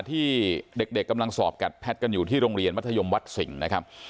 ที่เด็กกำลังสอบกัดแพทย์กันอยู่ที่โรงเรียนมัธยมวัดสิงห์นะครับ